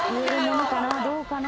どうかな？